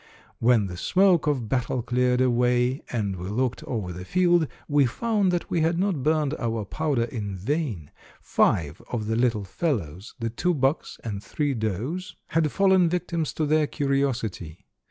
"When the smoke of battle cleared away, and we looked over the field, we found that we had not burned our powder in vain. Five of the little fellows, the two bucks and three does, had fallen victims to their curiosity.